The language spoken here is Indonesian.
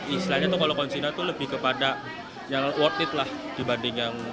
istilahnya tuh kalau konsina itu lebih kepada yang worth it lah dibanding yang